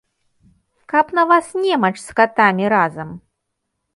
Каб на вас немач з катамі разам!